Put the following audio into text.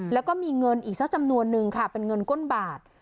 แล้วก็มีเงินอีกสักจำนวนนึงค่ะเป็นเงินก้นบาท